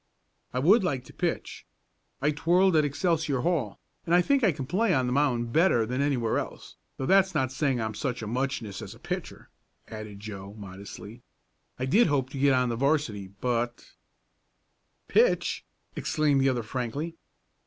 "I would like to pitch. I twirled at Excelsior Hall, and I think I can play on the mound better than anywhere else, though that's not saying I'm such a muchness as a pitcher," added Joe, modestly. "I did hope to get on the 'varsity, but " "Pitch!" exclaimed the other frankly.